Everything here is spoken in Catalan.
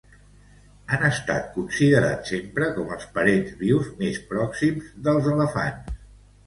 Han estat considerats sempre com els parents vius més pròxims dels elefants.